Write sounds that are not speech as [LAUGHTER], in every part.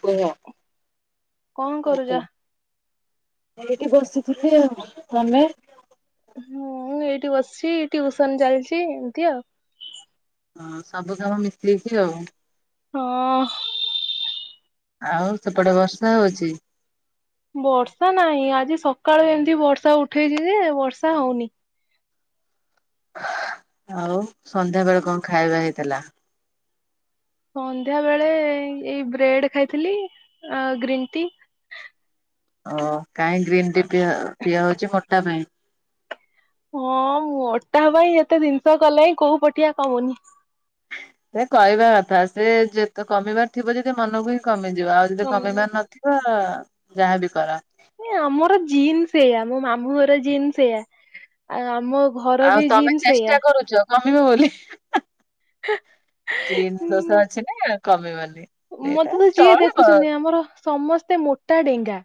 କୁହ କଣ କରୁଚ? ଏଇଠି ବସିଥିଲି ଆଉ ତମେ? ହୁଁ ମୁଁ ଏଇଠି ବସିଚି ଟ୍ୟଉସନ ଚାଲିଚି ଏମିତି ଆଉ। ହଁ ସବୁ କାମ ମିଶିଯାଇଚି ଆଉ। ହଁ। ଆଉ ସେପଟେ ବର୍ଷା ହଉଚି? ବର୍ଷା ନାହିଁ ଆଜି ସକାଳୁ ଏମିତି ବର୍ଷା ଉଠେଇଚି ଯେ ବର୍ଷା ହଉନି। ଆଉ ସନ୍ଧ୍ୟା ବେଳେ କଣ ଖାଇବା ହେଇଥିଲା? ସନ୍ଧ୍ୟା ବେଳେ ଏଇ ବ୍ରେଡ ଖାଇଥିଲି ଆଉ ଗ୍ରୀନ୍ ଟି। ଓ କାହିଁ ଗ୍ରୀନ୍ ଟି ପିଆ ପିଆ ହଉଚି ମୋଟା ପାଇଁ। ହଁ ମୋଟା ପାଇଁ ଏତେ ଜିନିଷ କଲେ ବି କୋଉପଠିଆ କମୁନି। ସେ କହିବା କଥା ସେ ଯେତେ କମିବାର ଥିବ ଯଦି ମନକୁ ହିଁ କମିଯିବ ଆଉ ଯଦି କମୁନି କମିବାର ନଥିବ ତା ଯାହାବି କରା। ଏ ଆମର ଜିନ୍ ସେଇଆ, ମୋ ମାମୁଁ ଘର ଜିନ୍ ସେଇଆ ଆଉ ଆମ ଘର ଆଉ ବି ତମେ ଜିନ୍ ସେଇଆ। ଚେଷ୍ଟା କରୁଚ କମିବ ବୋଲି ଜିନ ଦୋଷ ଅଛି ନା କମିବନି। ସେଇଟା ମତେ ତ ଯିଏ ଚଳିବ ଦେଖୁଛନ୍ତି ଆମର ସମସ୍ତେ ମୋଟା ଡେଙ୍ଗା,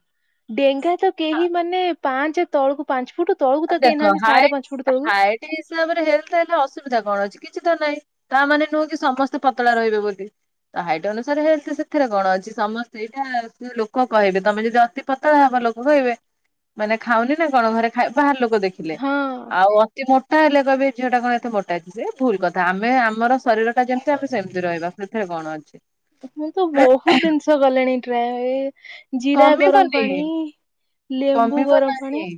ଡେଙ୍ଗା ତ କେହି ମାନେ ପାଞ୍ଚ ତଳକୁ ପାଞ୍ଚ ଫୁଟ ତଳକୁ ତ କେହିନାହାନ୍ତି ସାଢେ ପାଞ୍ଚ ଫୁଟ ତଳକୁ ସେଇ ହିସାବରେ ହେଲଥ ହେଲେ ଅସୁବିଧା କଣ ଅଛି କିଛି ତ ନାହିଁ। ତାମାନେ ନୁହଁକି ସମସ୍ତେ ପତଳା ରହିବେ ବୋଲି। ହାଇଟ ଅନୁସାରେ ହେଲଥ ସେ ସେଥିରେ କଣ ଅଛି, ସମସ୍ତେ ଏଇଟା ଲୋକ କହିବେ ତମେ ଯଦି ଅତି ପତଳା ହେବା ଲୋକ କହିବେ ମାନେ ଖାଉନି ନା କଣ ଘରେ ଖାଇ ବାହାର ଲୋକ ଦେଖିଲେ ହଁ ଆଉ ମୋଟା ହେଲେ କହିବେ ଏଝିଅ ଟା କଣ ଏତେ ମୋଟା ହେଇଚି ସେ ଭୁଲ କଥା ଆମେ ଆମର ଶରୀର ଆମେ ଯେମତି ଆମେ ସେମତି ରହିବା ସେଥିରେ କଣ ଅଛି। ଷ ଗଲେଣି ଟ୍ରାଏ ଜିରା ଗରମ କମିବନି ପାଣି ଲେମ୍ବୁ କମିବ ଗରମ ପାଣି। ନାହିଁ।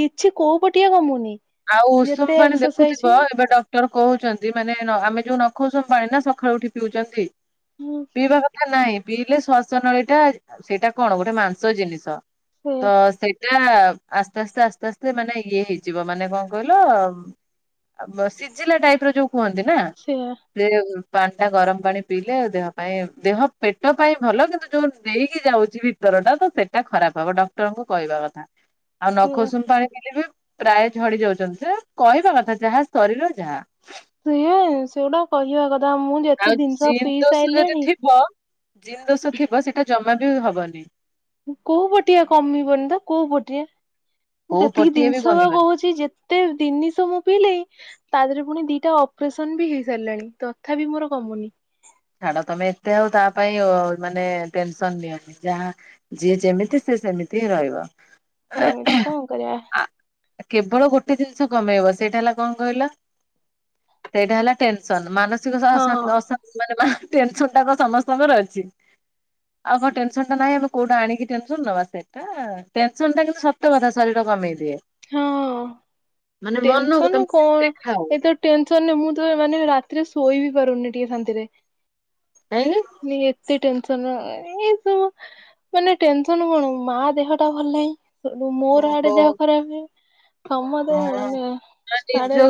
କିଛି କୋଉ ପଟିଏ କମୁନି। ଆଉ ଉଷୁମ ଯେତେ ପାଣି ଏକ୍ସରସାଇଜ ଦେଖୁଥିବ ଏବେ ଡ଼କ୍ ଡ଼କ୍ଟର କହୁଚନ୍ତି ମାନେ ନ ଆମେ ଯୋଉ ନଖଉସୁମ୍ ପାଣି ନା ସକାଳୁ ଉଠି ପିଉଚନ୍ତି ହୁଁ। ପିଇବା କଥା ନାଇଁ, ପିଇଲେ ଶ୍ଵାସ ନଳୀ ଟା ସେଇଟା କଣ ଗୋଟେ ମାଂସ ଜିନିଷ ସେଇଆ ତ ସେଇଟା ଆସ୍ତେ ଆସ୍ତେ ଆସ୍ତେ ଆସ୍ତେ ମାନେ ଇଏ ହେଇଯିବ ମାନେ କଣ କହିଲ ବ ସିଝିଲା ଟାଇପ ର ଯୋଉ କୁହନ୍ତି ନା ସେଇଆ ସେ ପାଣି ଟା ଗରମ ପାଣି ପିଇଲେ ଦେହ ପାଇଁ ଦେହ ପେଟ ପାଇଁ ଭଲ କିନ୍ତୁ ଯୋଉ ଦେଇକି ଯାଉଚି ଭିତ୍ ଭିତର ଟା ତ ସେଟା ଖରାପ ହବ ଡକ୍ଟରଙ୍କ କହିବା କଥା, ଆଉ ସେଇଆ ନଖସୁମ ପାଣି ପିଇଲେ ବି ପ୍ରାୟ ଝଡି ଯାଉଚନ୍ତି ସେ କହିବା କଥା ଯାହା ଶରୀର ଯାହା। ସେୟା ସେଗୁଡା କହିବା କଥା ମୁଁ ଯେତେ ଆଉ ଜିନିଷ ଜିନ୍ ପିଇ ଦୋଷ ଯଦି ସାରିଲିଣି ଥିବ ଜିନ୍ ଦୋଷ ଥିବ ସେଇଟା ଜମା ବି ହବନି। କୋଉ ପଟିଆ କମିବନି ତ କୋଉ ପଟିଆ ମୁଁ କୋଉ ଯେତିକି ପଟିଏ ବି ଜିନିଷ ବା କମିବନି କହୁଚି ଯେତ୍ ଏତେ ଦିନିସ ମୁଁ ପିଇଲିଇଁ ତା ଦେହରେ ପୁଣି ଦିଟା ଅପରେସନ ବି ହେଇ ସାରିଲାଣି ତଥାପି ବିି ମୋର କମୁନି। ଛାଡ ତମେ ଏତେ ଆଉ ତା ପାଇଁ ଓ ଆଉ ମାନେ ଟେନସନ ନିଅନି ଯାହା ଯିଏ ଯେମିତି ସିଏ ସେମିତି ହିଁ ରହିବ। ଏ ସେମିତି କଣ କରିଆ। ଆ କେବଳ ଗୋଟେ ଜିନିଷ କମେଇବ ସେଇଟା ହେଲା କଣ କହିଲ? ସେଇଟା ହେଲା ଟେନସନ, ମାନସିକ ସା ହଁ ସା ହଁ ଅଶା ମାନେ ହେ ଟେନସନ ଟା କଣ ସମସ୍ତଙ୍କର ଅଛି? ଆଉ କଣ ଟେନସନ୍ ଟା ନାଁଇ ଆମେ କଉଟା ଆଣି କି ଟେନସନ ନବା ସେ ଆ ଟେନସନ ଟା କିନ୍ତୁ ସତ କଥା ଶରୀର କମେଇ ଦିଏ। ହଁ ମାନେ ମନକୁ ଟେନସନ ତମେ ଯେତେ କଣ, ଖାଅ ଏତ ଟେନ୍ସନ ରେ ମୁଁ ତ ମାନେ ରାତିରେ ସୋଇ ଵି ପାରୁନି ଟିକେ ଶାନ୍ତିରେ। କାହିଁକି? ନି ଏତେ ଟେନସନ୍ ଏଇ ସବୁ ମାନେ ଟେନସନ କଣ, ମା ଦେହ ଟା ଭଲ ନାହିଁ। ମୋରୋ ଆଡେ ଓହୋ ଦେହ ଖରାପ, ସମତେ ମାନେ ଆଡେ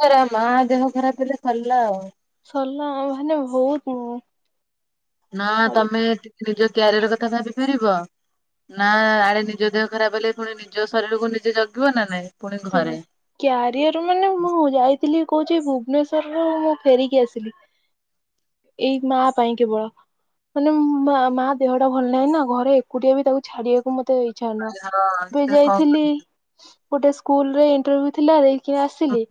ହେରା ମା ଦେହ ଖରାପ ହେଲେ ସରିଲା ଆଉ। ସରିଲା ମାନେ ବହୁତ ମୁଁ ନା ତମେ ଟିକେ ନିଜ କ୍ୟାରିଅର କଥା ଭାବିପାରିବ ନା ଆଡେ ନିଜ ଦେହ ଖରାପ ହେଲେ ପୁଣି ନିଜ ଶରୀରକୁ ନିଜେ ଜଗିବ ନା ନାଇଁ। ପୁଣି ସେୟା। ଘରେ କ୍ୟାରିଅର ମାନେ ମୁଁ ଯାଇଥିଲି କହୁଛି ଭୁବନେଶ୍ଵରରୁ ମୁଁ ଫେରିକି ଆସିଲି। ଏଇ ମା ପାଇଁ କେବଳ। ମାନେ ମାଆ ମାଆ ଦେହଟା ଭଲ ନାହିଁ ନା ଘରେ ଏକୁଟିଆ ବି ତାକୁ ଛାଡିବାକୁ ମତେ ଚାଲ ହଁ [UNINTELLIGIBLE] ସେ କଣ ଯାଇଥିଲି। ଗୋଟେ ସ୍କୁଲରେ ଇଣ୍ଟରଭ୍ୟୁ ଥିଲା ଦେଇକି ଆସିଲି।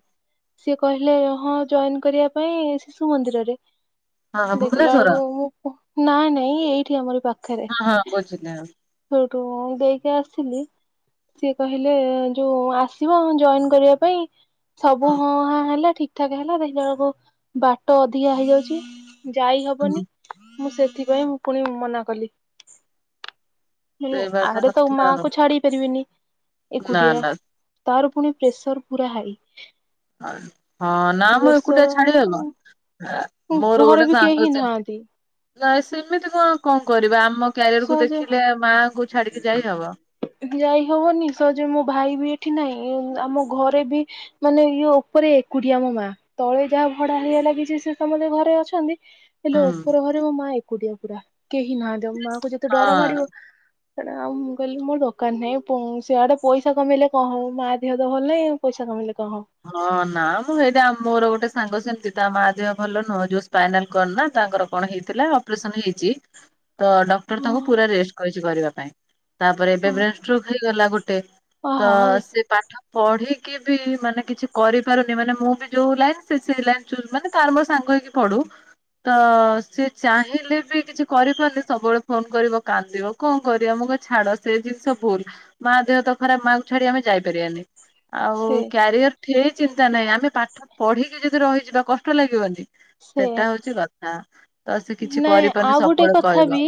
ସିଏ କହିଲେ ହଁ ଜଏନ କରିବା ପାଇଁ ଶିଶୁ ମନ୍ଦିରରେ। ହଁ ଦେଖିଲା ଭୁବନେଶ୍ଵର ବେଳକୁ ମୁଁ ପ ନାଇଁ ନାଇଁ ଏଇଠି ଆମରି ପାଖ ହଁ ହଁ ବୁଝିଲି ଆଉ। ସେଇଠୁ ମୁ ଦେଇକି ଆସିଲି। ସିଏ କହିଲେ ଯୋଉ ଆସିବ ଜଏନ କରିବା ପାଇଁ। ସବୁ ହଁ ହା ହେଲା ଠିକ ଠାକ ହେଲା ଦେଖିଲା ବେଳକୁ ବାଟ ଅଧିକା ହେଇଯାଉଛି ଯାଇ ହବନି ହୁଁ ମୁଁ ସେଥିପାଇଁ ମୁଁ ପୁଣି ମନା କଲି। ହୁଁ ସେଇ ବାଟ ଆଡେ ତ କଥା ଆଉ ମାକୁ ଛାଡି ପାରିବିନି ନା ଏକୁଟିଆ। ନା ତାର ପୁଣି ପ୍ରେସର ପୁରା ହାଇ। ହଁ ନା ମ ଏକୁଟିଆ ପ୍ରେସର ଛାଡିହବ। ହାଇ ଆ ମୋର ଘରେ ଗୋଟେ ବି ସାଙ୍ଗ କେହି ସେମତି୍। ନାହାନ୍ତି ନାଇଁ ସେମିତି କଣ କଣ କରିବା ଆମ କ୍ୟାରିଅର କୁ ସହଜେ ଦେଖିଲେ ମାଆଙ୍କୁ ଛାଡିକି ଯାଇହବ। ଯାଇ ହବନି ସହଜରେ ମୋ ଭାଇ ବି ଏଠି ନାଇଁ ଆମ ଘରେ ବି ହି ମାନେ ଇଏ ଉପରେ ଏକୁଟିିଆ ମୋ ମାଆ ତଳେ ଯାହା ଭଡା ହେଇଆ ଲାଗିଛି ସେ ସମସ୍ତେ ଘରେ ଅଛନ୍ତି ହେଲେ ହୁଁ ଉପର ଘରେ ମୋ ମା ଏକୁଟିଆ ପୁରା କେହି ନାହାନ୍ତି ମା କ ଯେତେ ଡର ହଁ ମାଡିବ- ସେଟା ଆଉ ମୁଁ କହିଲି ମୋ ଦରକାର ନାହିଁ ପଁ ସେଆଡେ ପଇସା କମେଇଲେ କଣ ହବ ମା ଦେହ ତ ଭଲ ନାହିଁ ଆଉ ପଇସା କମେଇଲେ କଣ ହବ। ହଁ ନା ମୁଁ ଏଇଟି ମୋର ଗୋଟେ ସାଙ୍ଗ ସେମିତି ତା ମା ଦେହ ଭଲ ନୁହଁ ଯୋଉ ସ୍ପାଇନାଲ କଡ ନା ତାଙ୍କର କଣ ହେଇଥିଲା ଅପରେସନ ହେଇଛି ତ ଡକ୍ଟର ତାଙ୍କୁ ହଁ ପୁରା ରେଷ୍ଟ କହୀଛି କରିବା ପାଇଁ ତାପରେ ଏବେ ହଁ ବ୍ରେନଷ୍ଟୋଗ ହେଇଗଲା ଗୋଟେ ତ ଆହାରେ ସେ ପାଠ ପଢିକି ବି ମାନେ କିଛି କରିପାରୁନି ମାନେ ମୁଁ ବି ଯୋଉ ଲାଇନ ସେ ଲାଇନ ଚୁଜ ମାନେ ତାର ମୋର ସାଙ୍ଗ ହେଇକି ପଢୁ ତ ସିଏ ଚାହିଁଲେ ବି କିଛି କରିପାରୁନି ସବୁବେଳେ ଫୋନ କରିବ କାନ୍ଦିବ। କଣ କରିବା ମୁଁ କହେ ଛାଡ ସେ ଜିନିଷ ଭୁଲ ମା ଦେହ ତ ଖରାପ ମା କୁ ଛାଡି ଆମେ ଯାଇପାରିବାନି। ଆଉ ସେ କ୍ୟାରିଅର ଠି ଚିନ୍ତା ନାହିଁ ଆମେ ପାଠ ପଢିକି ଯଦି ରହିଯିବା କଷ୍ଟ ଲାଗିବନି। ସେ ସେଟା ହଉଛି କଥା ତ ସେ କିଛି କରିପାରୁନି ସବୁବେଳେ କହିବ। କି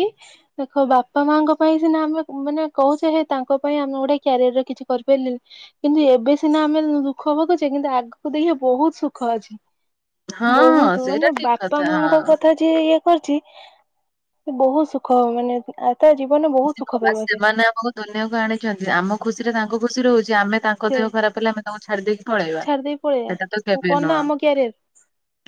ଦେଖ ବାପା ମାଙ୍କ ପାଇଁ ସିନା ଆମେ ମାନେ କହୁଛେ ହେ ତାଙ୍କ ପାଇଁ ଆମେ ଗୋଟେ କ୍ୟାରିଅରରେ କିଛି କରିପାରିଲି ନି କିନ୍ତୁ ଏବେ ସିନା ଆମେ ଦୁଃଖ ଭଗୁଛେ କିନ୍ତୁ ଆଗକୁ ଦେଖିବ ବହୁତ ସୁଖ ଅଛି। ହଁ ହଁ ବୋହୁତୁ ସେଇଟା ମାନେ ଠିକ ବାପା କଥା ମାଙ୍କ ହଁ। କଥା ଯିଏ ଇଏ କରଚି ବୋହୁତ ସୁଖ ମାନେ ଆ ତା ଜୀବନ [UNINTELLIGIBLE] ସେମାନେ ଆମକୁ ଦୁନିଆକୁ ଆଣିଚନ୍ତି ଆମ ଖୁସିରେ ତାଙ୍କ ଖୁସି ରହୁଚି ଆମେ ତା ତାଙ୍କ ସେ ଦେହ ଖରାପ ହେଲେ ଆମେ ତାଙ୍କୁ ଛାଡିଦେଇକି ପଳେଇବା ଛାଡି ଦେଇ ପଳେଇବା ଏଟା ତ ମୁଁ କେବେ କଣ ନା ନୁହଁ। ଆମ କ୍ୟାରିଅର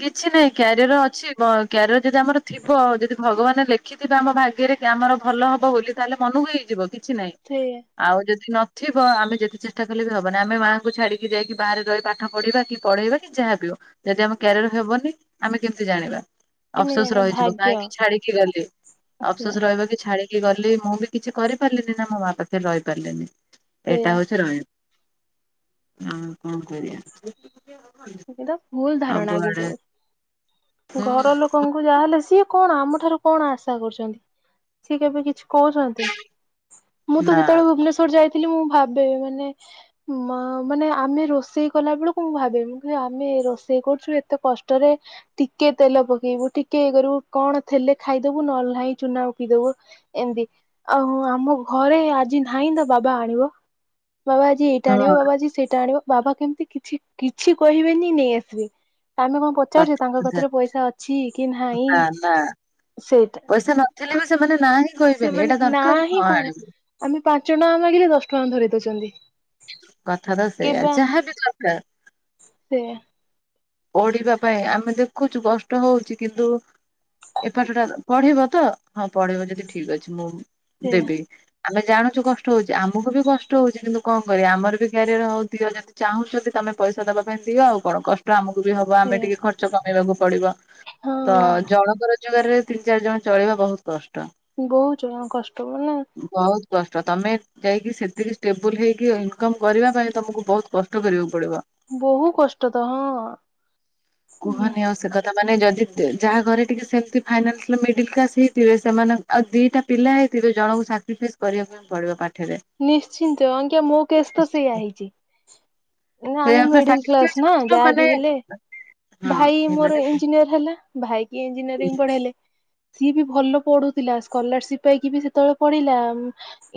କିଛି ନାଇଁ କ୍ୟାରିଅର ଅଛି ବ କ୍ୟାରିଅର ଯଦି ଆମର ଥିବ ଯଦି ଭଗବାନେ ଲେଖିଥିବେ ଆମ ଭାଗ୍ୟରେ କି ଆମର ଭଲ ହବ ବୋଲି ତାହେଲେ ମନକୁ ହେଇଯିବ କିଛି ନାହିଁ। ସେଇଆ ଆଉ ଯଦି ନଥିବ ଆମେ ଯେତେ ଚେଷ୍ଟା କଲେ ବି ହବନି ଆମେ ମାଆଙ୍କୁ ଛାଡିକି ଯାଇକି ବାହାରେ ରହି ପାଠ ପଢିବା କି ପଢେଇବା ଯାହା ବି ହୋଉ ଯଦି ଆମ କ୍ୟାରିଅର ହେବନି ଆମେ କେମତି ଜାଣିବା। କେମିତି ଅଫସୋସ ଜାଣିବା ରହିଯିବ ଭାଗ୍ୟ କାହିଁକି ଛାଡିକି ଗଲି ସେଇଆ ଅଫସୋସ ରହିବ କି ଛାଡି କି ଗଲି ମୁଁ ବି କିଛି କରିପାରିଲିନି ନା ମୋ ମାଆ ପାଖରେ ରହି ପାରିଲିନି ତ ଏଟା ସେଇଆ ହୋଉଚି ରହେ। ଅଁ। କଣ କରିବା ଏଟା ଭୁଲ ଧାରଣା ସବୁ କିନ୍ତୁ ଆଡେ ଘର ଲୋକଙ୍କୁ ଙ୍କୁ ଯାହାହେଲେ ସିଏ କଣ ଆମ ଠାରୁ କଣ ଆଶା କରଚନ୍ତି ସିଏ କେବେ କିଛି କୋହୁଚନ୍ତି ମୁଁ ତ ନା ଯେତେବେଳେ ଭୁବନେଶ୍ଵର ଯାଇ ଥିଲ ମୁଁ ଭାବେ ମାନେ ମା ମାନେ ଆମେ ରୋଷେଇ କଲା ବେଳକୁ ମୁଁ ଭାବେ ମୁଁ କହେ ଆମେ ରୋଷେଇ କରଚୁ ଏତେ କଷ୍ଟରେ ଟିକେ ତେଲ ପକେଇବୁ ଟିକେ ଇଏ କରିବୁ କଣ ଥିଲେ ଖାଇଦୋବୁ ନହେଲେ ନାହିଁ ଚୁନା ଓପି ଦୋବୁ। ଏମତି ଆଉ ଆମ ଘରେ ଆଜି ନାହିଁ ତ ବାବା ଆଣିବ। ବାବା ଆଜି ଏଇଟା ଆଣିବ ହଁ ବାବା ଆଜି ସେଇଟା ଆଣିବ ବାବା କେମତି କିଛି କିଛି କହିବେନି ନେଇ ଆସିବେ ତ ଆମେ କଣ ପଚାରୁଚେ ତାଙ୍କ କଥା କତିରେ ପଇସା ଅଛି କି ନାହିଁ। ନା ନା। ସେଇଟା ପଇସା ନଥିଲେ ବି ସେମାନେ ନା ହିଁ କହିବେନି ସେମାନେ ଏଇଟା ନା ଦରକାର ହିଁ ହଁ କୋହୁନା। ଆଣିବୁ ଆମେ ପାଞ୍ଚ ଟଙ୍କା ମାଗିଲେ ଦଶ ଟଙ୍କା ଧରେଇ ଦୋଉଚନ୍ତି। କଥା ତ ସେୟା ଯାହାବି ଦରକାର। ସେୟା। ପଢିବା ପାଇଁ ଆମେ ଦେଖୁଚୁ କଷ୍ଟ ହୋଉଚି କିନ୍ତୁ ଏପଟଟା ପଢ଼ିବ ତ ହଁ ପଢିବ ଯଦି ଠିକ ଅଛି ମୁଁ ସେୟା ଦେବି। ଆମେ ଜାଣୁଚୁ କଷ୍ଟ ହୋଉଚି ଆମକୁ ବି କଷ୍ଟ ହୋଉଚି କିନ୍ତୁ କଣ କରିବା ଆମର ବି କ୍ୟାରିଅର ହୋଉ ଦିଅ ଯଦି ଚାହୁଁଚନ୍ତି ତମେ ପଇସା ଦବା ପାଇଁ ଦିଅ ଆଉ କଣ କଷ୍ ଷ୍ଟ ଆମକୁ ବି ହବ ଆମେ ସେୟା ଟିକେ ଖର୍ଚ୍ଚ କମେଇବାକୁ ପଡିବ ତ ହଁ ଜଣଙ୍କର ରୋଜଗାରରେ ତିନିଚାର ଜଣ ଚଳିବା ବୋହୁତ କଷ୍ଟ। ବୋହୁତ ଜଣ କଷ୍ଟ ମାନେ ବୋହୁତ କଷ୍ଟ ତମେ ଯାଇକି ସେତିକି ଷ୍ଟେବୁଲ ହେଇକି ଇନକମ କରିବା ପାଇଁ ତମକୁ ବୋହୁତ କଷ୍ଟ କରିବାକୁ ପଡିବ। ବୋହୁ କଷ୍ଟ ତ ହଁ। କୁହନି ଆଉ ସେ କଥା ମାନେ ଯଦି ଯାହା ଘରେ ଟିକେ ସେମତି ଫାଇନାସ୍ ନା ମିଡିଲ କ୍ଲାସ ହେଇଥିବେ ସେମାନ ଆଉ ଦିଟା ପିଲା ହେଇଥିବ ଜଣଙ୍କୁ ସାକ୍ରିଫାଇସ୍ କରିବାକୁ ହିଁ ପଡିବ ପାଠରେ। ନିଶ୍ଚିନ୍ତ ଆଜ୍ଞା ମୋ କେଶ ତ ସେୟା ହେଇଚି। ନା ଆମେ ସେଇଆ ପା ମିଡିଲ ସାକ୍ରିଫାଇସ୍ କ୍ଲାସ ନା ମତଲବ ଯାହା ମାନେ ବି ହେଲେ ହଁ ଭାଇ ମୋର ଏମାନେ ହଁ ଇଞ୍ଜିନିୟର ହେଲା ଭାଇ କି ଇଜିନିୟରିଙ୍ଗ ପଢେଇଲେ। ସିଏ ବି ଭଲ ପଢୁଥିଲା ସ୍କୋଲାରସିପ ପାଇକି ବି ସେତେବେଳେ ପଢିଲା।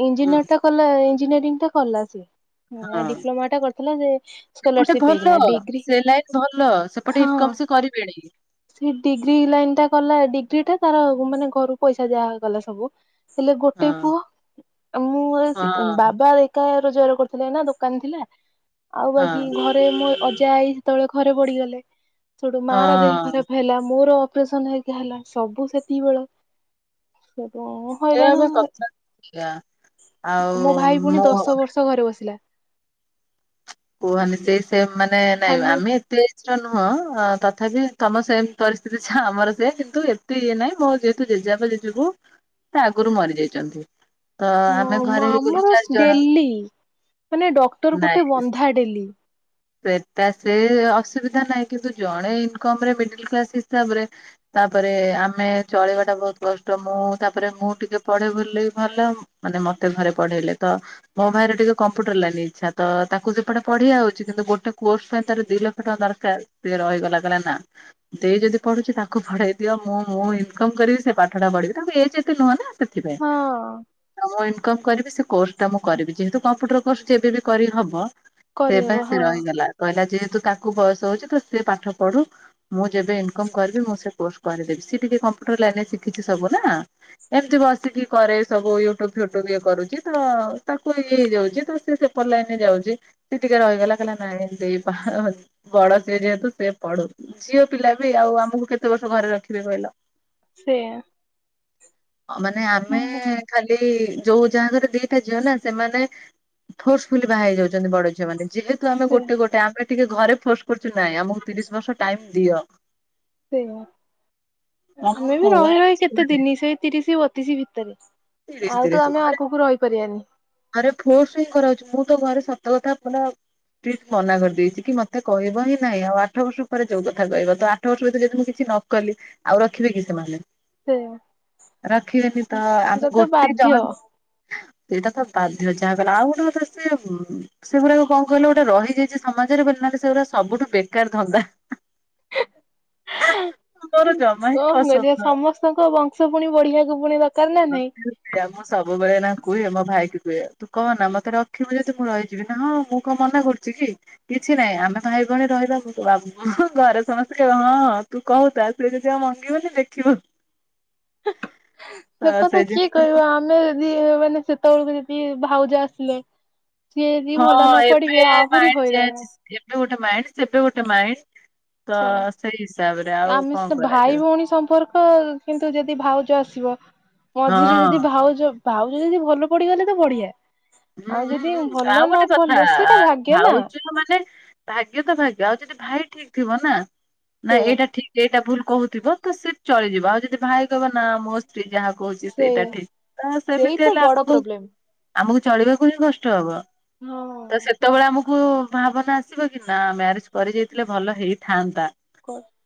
ଇଞ୍ଜିନିୟରଟା କଲା ଇଞ୍ଜିନିୟରିଂଟା କଲା ସିଏ। ଏ ହଁ ଡିପ୍ଲୋମାଟା କରିଥିଲା ଯେ ସେପଟେ ସ୍କୋଲରସିପ୍ ଭଲ ହେଇକିନା ଡିଗ୍ରୀ ସେ ଲାଇନ ଭଲ ସେପଟେ ଇନକମ ସେ କରିବେଣି। ସିଏ ଡିଗ୍ରୀ ଲାଇନଟା କଲା ଡିଗ୍ରୀଟା ତାର ମାନେ ଘରୁ ପଇସା ଯାହା ଗଲା ସବୁ। ହେଲେ ହଁ ଗୋଟେ ପୁଅ ଆଉ ମୁଁ ସି ହଁ ବାବା ଏ ଏକା ରୋଜଗାର କରୁଥିଲେ ନା ଦୋକାନ ଥିଲା ଆଉ ବାକି ହଁ ଘ ଘରେ ମୋ ଅଜା ଆଇ ସେତେବେଳେ ଘରେ ପଡିଗଲେ। ସେଟୁ ମା ର ଦେହ ହଁ ଖରାପ ହେଲା ମୋର ଅପରେସନ ହେଇ ହେଲାଣି ସବୁ ସେତିକି ବେଳ ସବୁ ସେଇଆ ହଇରାଣ ପା କଥା। ସେଇଆ। ଆଉ ମୋ ଭାଇ ପୁଣି ମୁଁ ଦଶ ବର୍ଷ ଘରେ ବସିଲା। କୁହନି ସେ ସେ ମାନେ ନାଇଁ ଖାଲି ଆମେ ଏତେ ନୁହଁ ତଥାପି ତମ ସେମ ପରିସ୍ଥିତି ଆମର ସେ କିନ୍ତୁ ଏତେ ଇଏ ନାହିଁ ମୋ ଯେହେତୁ ଜେଜେବାପା ଯିବୁ ସେ ଆଗରୁ ମରିଯାଇଛନ୍ତି। ଆମର ଡେଲି ମାନେ ଡକ୍ଟର ଗୋଟେ ନାଇଁ ବନ୍ଧା ଡେଲି। ସେଟା ସେ ଅସୁବିଧା ନାହିଁ। କିନ୍ତୁ ଜଣେ ଇନ୍‌କମ୍ ରେ ମିଡିଲ୍ କ୍ଲାସ ହିସାବରେ ତାପରେ ଆମେ ଚଳେଇବା ଟା ବହୁତ କଷ୍ଟ ମୁଁ ତାପରେ ମୁଁ ଟିକେ ପଢେ ବୁଲି ଭଲ ମାନେ ମତେ ଘରେ ପଢେଇଲେ ତ ମୋ ଭାଇରେ ଟିକେ କମ୍ପ୍ୟୁଟର ଲାନି ଇଚ୍ଛା ତ ତାକୁ ସେପଟେ ପଢ଼ିଆଉଛି କିନ୍ତୁ ଗୋଟେ କୋର୍ସ ପାଇଁ ତାର ଦି ଲକ୍ଷ ଟଙ୍କା ଦରକାରଏ ରହିଗଲା ନା। ଦେ ଯଦି ପଢୁଛି ତାକୁ ପଢେଇ ଦିଅ ମୁଁ ମୁଁ ଇନକମ୍ କରିବି ସେ ପାଠଟା ପଢିବି ତାଙ୍କୁ ଏଜ୍‌ ଏତେ ନୁହଁ ନା। ସେଥିପାଇଁ ହଁ ତ ମୁଁ ଇନ୍‌କମ୍ କରିବି ସେ କୋସ୍ ଟା ମୁଁ କରିବି ଯେହେତୁ କମ୍ପ୍ୟୁଟର କୋର୍ସ ଯେବେ ବି କରିହବ। ସେ ପାଇଁ କରିହବ ସେ ହଁ ରହିଗଲା କହିଲା ଯେହେତୁ ତାକୁ ବୟସ ହଉଛି ତ ସେ ପାଠ ପଢୁ। ମୁଁ ଯେବେ ଇନକମ୍ କରିବି ମୁଁ ସେ କୋର୍ସ କରିଦେବି ସି ଟିକେ କମ୍ପ୍ୟୁଟର ଲାଇନ୍‌ ରେ ଶିଖିଛି ସବୁ ନା। ଏମିତି ବସିକି କରେ ସବୁ ୟୁଟ୍ୟୁବ ଫୁଟୁବ ଇଏ କରୁଛି ତ ତାକୁ ଇଏ ହେଇଯାଉଛି ତ ସେ ଭଲ ହେଇନି ଯାଉଛି। ସେ ଟିକେ ରହିଗଲା କହିଲା ନାଇଁ ସେ ବଡ ସିଏ ଯେହେତୁ ସିଏ ପଢଉଛି। ଝିଅ ପିଲା ବି ଆଉ ଆମକୁ କେତେ ବର୍ଷ ଘରେ ରଖିବେ କହିଲ। ସେଇଆ। ମାନେ ଆମେ ଖାଲି ଯୋଉ ଯାହା ଘରେ ଦିଟା ଝିଅ ନା ସେମାନେ ଫୋର୍ସଫୁଲି ବାହା ହେଇ ଯାଉଛନ୍ତି ବଡ। ସେମାନେ ଯେହେତୁ ଆମେ ସେ ଗୋଟେ ଗୋଟେ ଆମେ ଟିକେ ଘରେ ଫୋର୍ସ କରୁଛୁ ନାଇଁ ଆମକୁ ତିରିଶ ବର୍ଷ ଟାଇମ୍ ଦିଅ। ସେଇଆ ଆମକୁ ଆମେ ବି କଣ ରହି ଘରେ ରହି କିଛି କେତେ କୁହାଯାଏ ଦିନି ସେ ତିରିଶ ବତିଶି ଭିତରେ। ଆଉ ତ ଆମେ ଆଗକୁ ରହିପାରିବାନି। ଆରେ ଫୋର୍ସ ହିଁ କରାଉଛି ମୁଁ ତ ଘରେ ସତ କଥା ଆପଣ ମନା କରିଦେଇଛି କି ମତେ କହିବ ହିଁ ନାଇଁ ଆଉ ଆଠ ବର୍ଷ ପରେ ଯୋଉ କଥା କହିବ ତ ଆଠ ବର୍ଷ ଭିତରେ ଯଦି ମୁଁ କିଛି ନ କଲି ଆଉ ରଖିବି କି ସେମାନେ। ସେଇଆ ରଖିବେନି ତ ଆମେ ସେଟା ତ ଗୋଟେ ବାଧ୍ୟ ଜହ ଏଇଟା ତ ବାଧ୍ୟ ଯାହାଗଲା ଆଉ ଗୋଟେ ତ ସେ ସେଗୁଡାକ କଣ କହିଲେ ଗୋଟେ ରହିଯାଇଛି ସମାଜରେ ବ ନହେଲେ ସେଗୁଡା ସବୁଠୁ ବେକାର ଧନ୍ଦା। [INAUDIBLE] ହିଁ ସବୁ ପସନ୍ଦ ମେରେ ନୁହଁ। ସମସ୍ତଙ୍କ ବଂଶ ପୁଣି ବଢିବାକୁ ପୁଣି ଦରକାର ନା ନାଇଁ। ଆ ମୁଁ ସବୁବେଳେ ନା କୁହେ ମୋ ଭାଇ କି କୁହେ ତୁ କହ ନା ମତେ ରଖିବୁ ଯଦି ମୁଁ ରହିବି। ରଖିବି ନା ହଁ ମୁଁ କଣ ମନା କରୁଛି କି କିଛି ନାହିଁ ଆମେ ଭାଇ ଭଉଣୀ ରହିବା। ଘରେ ସମସ୍ତେ ହଁ ତୁ କହୁଥା ସେ ଯଦି ଆଉ ମଙ୍ଗିବନି ଦେଖିବୁ। ତ ସେ କଥା କିଏ ଜିନିଷ କହିବ ଆମେ ଯଦି ମାନେ ସେତେବେଳକୁ ଯଦି ଭାଉଜା ଆସିଲେ। ସିଏ ଯଦି ଭଲ ହଁ ନ ପଡିବେ ଏବେ ଆହୁରି ମାଇଣ୍ଡ ଚେଞ୍ଜ ହଇରାଣ। ଏବେ ଗୋଟେ ମାଇଣ୍ଡ ସେବେ ଗୋଟେ ମାଇଣ୍ଡ ତ ସେଇଆ ସେଇ ହିସାବରେ। ଆଉ ଆମେ କଣ ସେ ଭାଇ କରାଯିବ ଭଉଣୀ ସମ୍ପର୍କ କିନ୍ତୁ ଯଦି ଭାଉଜ ଆସିବ। ମଝିରେ ଯଦି ହଁ। ଭାଉଜ ଭାଉଜ ଯଦି ଭଲ ପଡିଗଲେ ତ ବଢିଆ। ହୁଁ ଆଉ ହୁଁ ଯଦି ହୁଁ ଭଲ ଆଉ ନ ଗୋଟେ କଥା ପଡିଲେ ସେଟା ଭାଗ୍ୟ ନା ଭାଉଜ ମାନେ ଭାଗ୍ୟ ତ ଭାଗ୍ୟ ଆଉ ଯଠି ଭାଇ ଠିକ୍‌ ଥିବ ନା ନା ସେଇଆ ଏଇଟା ଠିକ୍। ସେଇଟା ଭୁଲ କହୁଥିବ ତ ସେ ଚଳିଯିବ ଆଉ ଯଦି ଭାଇ କହିବ ନା ମୋ ସ୍ତ୍ରୀ ଯାହାବ କହୁଛି ସେଇଟା ସେଇଆ ଠିକ୍ ତ ସେଇ ସେମିତି ତ ହେଲେ ବଡ ଆମକୁ ପ୍ରୋବ୍ଲେମ। ଆମକୁ ଚଳିବାକୁ ହିଁ କଷ୍ଟ ହବ। ତ ହଁ। ସେତେବେଳେ ଆମକୁ ଭାବନା ଆସିବ କି ନା ମ୍ୟାରେଜ କରି ଯାଇଥିଲେ ଭଲ ହେଇଥାନ୍ତା। [UNINTELLIGIBLE]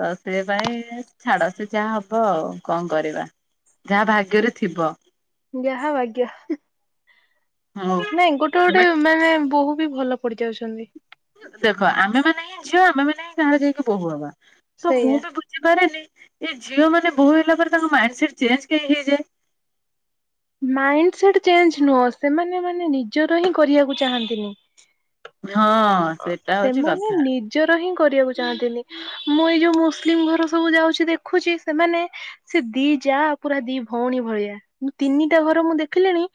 ତ ସେପାଇଁ ଛାଡ ସେ ଯାହା ହବ ଆଉ କଣ କରିବା। ଯାହା ଭାଗ୍ୟରେ ଥିବ। ଯାହା ଭାଗ୍ୟ। ହଁ ଅ। ନାଇଁ ଗୋଟେ ଗୋଟେ ମାନେ ବୋହୁ ବି ଭଲ ପଡି ଯାଉଛନ୍ତି। ଦେଖ ଆମେମାନେ ହିଁ ଝିଅ ଆମେମାନେ ହିଁ ଆଗରେ ଯାଇକି ବୋହୁ ହବା ତ ମୁଁ ସେଇଆ। ବି ବୁ ବୁଝିପାରେନି ଏଇ ଝିଅ ମାନେ ବହୁ ହେଲା ପରେ ତାଙ୍କ ମାଇଣ୍ଡ ସେଟ ଚେଞ୍ଜ କାଇଁ ହେଇଯାଏ। ମାଇଣ୍ଡ ସେଟ୍ ଚେଞ୍ଜ ନୁହଁ ସେମାନେ ମାନେ ନିଜର ହିଁ କରିବାକୁ ଚାହାନ୍ତିନି। ହଁ। ସେଟା ହଉଛି ସେମାନେ କଥା। ନିଜ ନିଜର ହିଁ କରିବାକୁ ଚାହାଁନ୍ତିନି ମୁଁ ଏଇ ଯୋଉ ମୁସଲିମ ଘର ସବୁ ଯାଉଛି ଦେଖୁଛି ସେମାନେ ସେ ଦି ଯା ପୁରା ଦି ଭଉଣୀ ଭଳିଆ ମୁ ତିନିଟା ଘର ମୁଁ ଦେଖିଲିଣି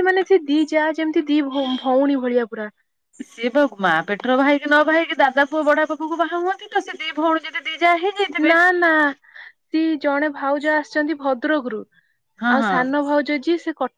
ସେମାନେ ସେ ଦି ଯା ଯେମିତି ଦି ଭ ଭଉଣୀ ଭଳିଆ ପୁରା। ସିଏ ବା ମା ପେଟର ଭାଇକି ନ ଭାଇକି ଦାଦା ପୁଅ ବଡା ବାପା ପୁଅ କୁ ବାହା ହୁଅନ୍ତି ତ ସେ ଦି ଭଉଣୀ ଯଦି ଦି ଯା ହେଇ ଯାଇଥିବେ। ନା ନା ସି ଜଣେ ଭାଉଜ ଆସିଛନ୍ତି ଭଦ୍ରକରୁ ହଁ ଆଉ ହଁ ସାନ ଭାଉଜ ଯିଏ ସେ କ